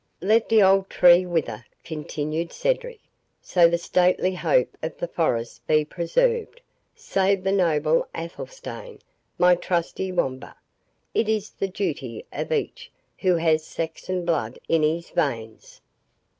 "Let the old tree wither," continued Cedric, "so the stately hope of the forest be preserved. Save the noble Athelstane, my trusty Wamba! it is the duty of each who has Saxon blood in his veins.